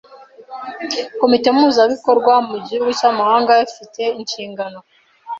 Komite mpuzabikorwa mu gihugu cy’amahanga ifi te inshingano